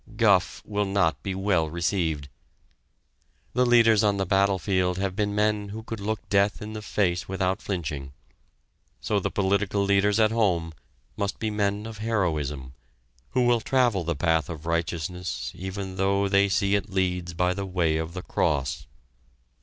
"Guff" will not be well received. The leaders on the battle field have been men who could look death in the face without flinching, so the political leaders at home must be men of heroism, who will travel the path of righteousness even though they see it leads by the way of the Cross!